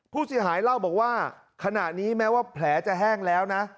ผู้เสียหายเล่าบอกว่าขณะนี้แม้ว่าแผลจะแห้งแล้วนะ